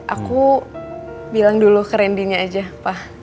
aku bilang dulu ke randy nya aja pa